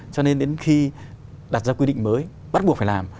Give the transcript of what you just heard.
cho nên đến khi đặt ra quy định mới bắt buộc phải làm